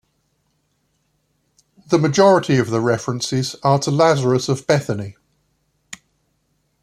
The majority of the references are to Lazarus of Bethany.